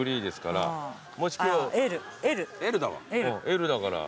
Ｌだから。